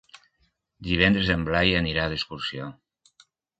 Divendres en Blai anirà d'excursió.